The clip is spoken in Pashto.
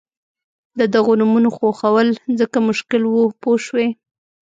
د دغو نومونو خوښول ځکه مشکل وو پوه شوې!.